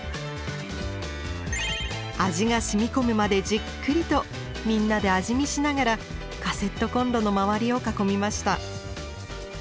味が染み込むまでじっくりとみんなで味見しながらカセットコンロの周りを囲みました。